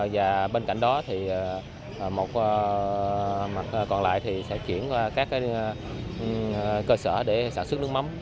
và bên cạnh đó thì một mặt còn lại thì sẽ chuyển qua các cơ sở để sản xuất nước mắm